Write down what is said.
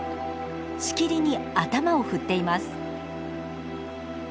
しきりに頭を振っています。